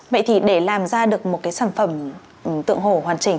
vậy thì để làm ra được một cái sản phẩm tượng hồ hoàn chỉnh